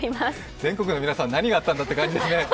全国の皆さん、何があったんだって感じですね。